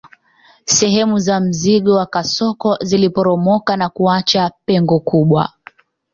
Sehemu za mzingo wa kasoko ziliporomoka na kuacha pengo kubwa